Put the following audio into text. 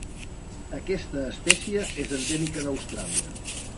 Aquesta espècie és endèmica d'Austràlia.